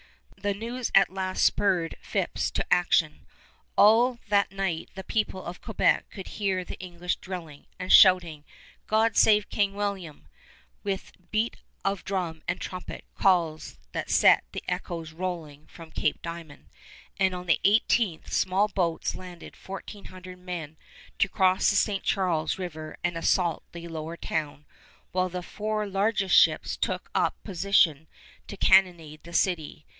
The news at last spurred Phips to action. All that night the people of Quebec could hear the English drilling, and shouting "God save King William!" with beat of drum and trumpet calls that set the echoes rolling from Cape Diamond; and on the 18th small boats landed fourteen hundred men to cross the St. Charles River and assault the Lower Town, while the four largest ships took up a position to cannonade the city.